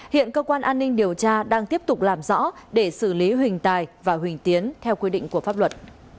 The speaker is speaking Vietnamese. hiện cơ quan an ninh điều tra đang tiếp tục làm rõ để xử lý huỳnh tài và huỳnh tiến theo quy định của pháp luật